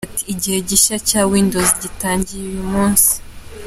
Ati “Igihe gishya cya Windows gitangiye uyu munsi.